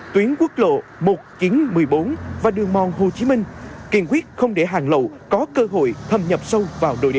tuyến quốc lộ một nghìn chín trăm một mươi bốn và đường mòn hồ chí minh kiên quyết không để hàng lậu có cơ hội thâm nhập sâu vào đồi địa